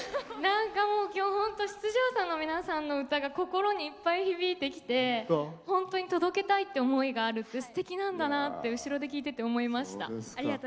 きょう、本当出場者の皆さんの歌声が心にいっぱい響いてきて本当に届けたい思いがあるってすてきなんだなって後ろで聴いてて思いました。